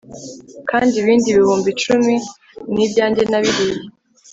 kandi ibindi bihumbi icumi, ni ibyanjye nabiriya